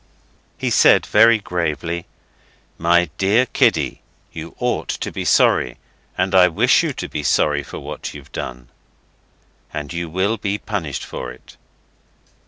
He said very gravely, 'My dear kiddie, you ought to be sorry, and I wish you to be sorry for what you've done. And you will be punished for it.